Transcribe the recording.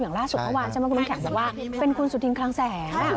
ล่าสุดเมื่อวานใช่ไหมคุณน้ำแข็งบอกว่าเป็นคุณสุธินคลังแสง